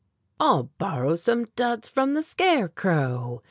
"I'll borrow some duds from the scarecrow!"